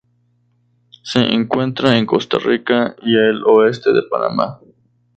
Se encuentra en Costa Rica y el oeste de Panamá.